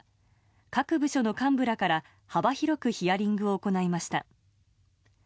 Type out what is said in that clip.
各部署の幹部らから幅広くヒアリングを行いました。